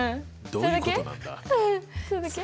それだけ？